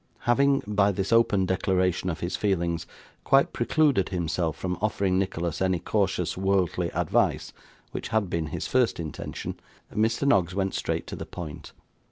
Having, by this open declaration of his feelings, quite precluded himself from offering Nicholas any cautious worldly advice (which had been his first intention), Mr. Noggs went straight to the point.